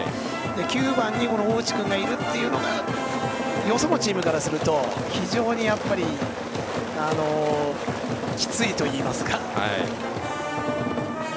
９番に大内君がいるのがよそのチームからすると非常にきついといいますか。